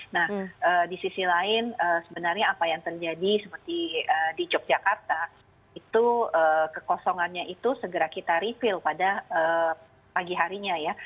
nah di sisi lain sebenarnya apa yang terjadi seperti di yogyakarta itu kekosongannya itu segera kita refill pada pagi harinya ya